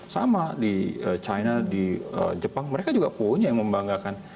sama di china di jepang mereka juga punya yang membanggakan